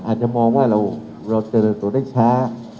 อาจจะมองว่าเราเจริญตัวได้ช้า